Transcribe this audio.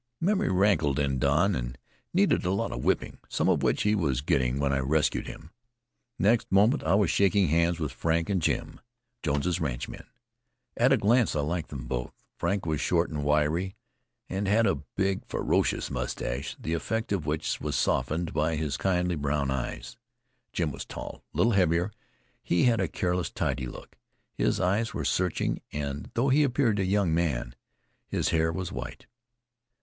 Memory rankled in Don, and he needed a lot of whipping, some of which he was getting when I rescued him. Next moment I was shaking hands with Frank and Jim, Jones's ranchmen. At a glance I liked them both. Frank was short and wiry, and had a big, ferocious mustache, the effect of which was softened by his kindly brown eyes. Jim was tall, a little heavier; he had a careless, tidy look; his eyes were searching, and though he appeared a young man, his hair was white.